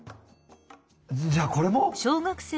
じゃあこれも？